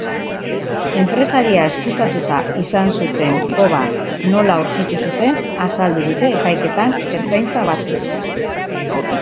Enpresaria ezkutatuta izan zuten koba nola aurkitu zuten azaldu dute epaiketan ertzaintza batzuk.